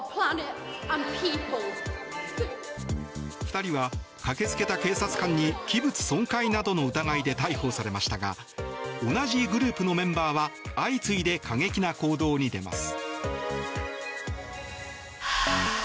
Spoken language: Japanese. ２人は駆けつけた警察官に器物損壊などの疑いで逮捕されましたが同じグループのメンバーは相次いで過激な行動に出ます。